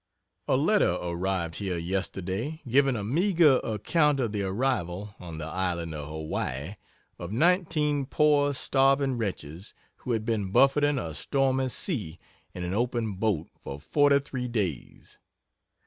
"A letter arrived here yesterday, giving a meagre account of the arrival, on the Island of Hawaii, of nineteen poor, starving wretches, who had been buffeting a stormy sea, in an open boat, for forty three days.